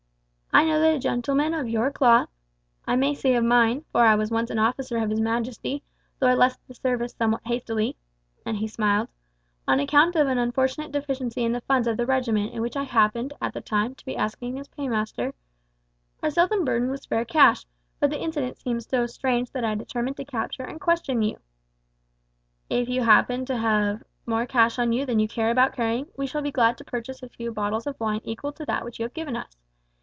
I know that gentlemen of your cloth I may say of mine, for I was once an officer of his majesty, though I left the service somewhat hastily," and he smiled, "on account of an unfortunate deficiency in the funds of the regiment in which I happened, at the time, to be acting as paymaster are seldom burdened with spare cash, but the incident seemed so strange that I determined to capture and question you. If you happen to have more cash on you than you care about carrying we shall be glad to purchase a few bottles of wine equal to that which you have given us.